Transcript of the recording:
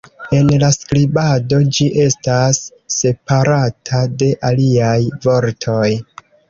En la skribado ĝi estas separata de aliaj vortoj".